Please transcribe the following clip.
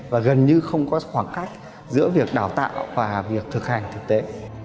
và gần như không có khoảng cách giữa việc đào tạo và việc thực hành thực tế